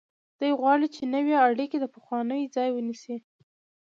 دوی غواړي چې نوې اړیکې د پخوانیو ځای ونیسي.